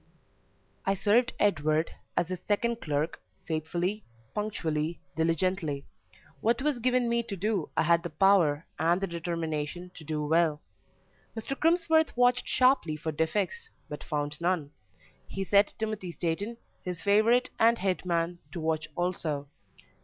I SERVED Edward as his second clerk faithfully, punctually, diligently. What was given me to do I had the power and the determination to do well. Mr. Crimsworth watched sharply for defects, but found none; he set Timothy Steighton, his favourite and head man, to watch also.